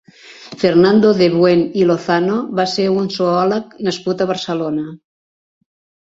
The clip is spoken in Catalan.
Fernando de Buen i Lozano va ser un zoòleg nascut a Barcelona.